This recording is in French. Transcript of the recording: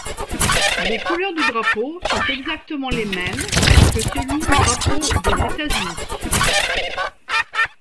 Les couleurs du drapeau sont exactement les mêmes que celui du drapeau des États-Unis.